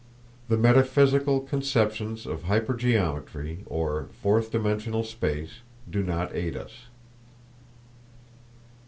The metaphysical conceptions of hypergeometry, or fourth dimensional space, do not aid us.